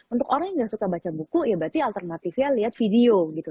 untuk orang yang gak suka baca buku ya berarti alternatifnya lihat video gitu